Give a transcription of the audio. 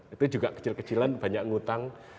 itu juga kecil kecilan banyak ngutang